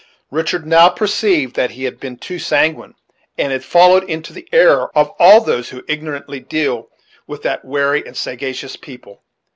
Richard now perceived that he had been too sanguine, and had fallen into the error of all those who ignorantly deal with that wary and sagacious people.